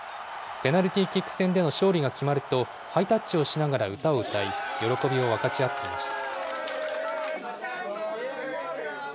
ペナルティーキック戦での勝利が決まると、ハイタッチをしながら歌を歌い、喜びを分かち合っていました。